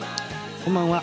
こんばんは。